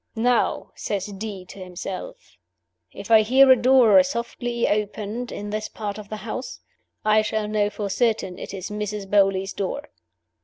'Now,' says D. to himself, 'if I hear a door softly opened in this part of the house, I shall know for certain it is Mrs. Beauly's door!